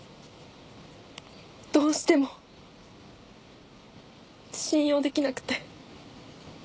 どうしても信用出来なくて。